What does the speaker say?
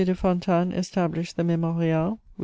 de Fontanes established the Mémorial with M.